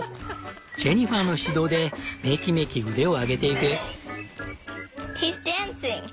ジェニファーの指導でメキメキ腕を上げてゆく。